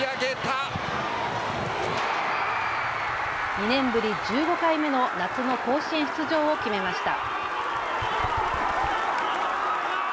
２年ぶり、１５回目の夏の甲子園出場を決めました。